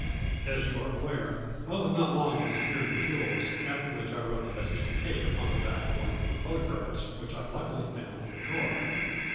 As you are aware, I was not long in securing the jewels, after which I wrote the message to Kate upon the back of one of her photographs which I luckily found in the drawer.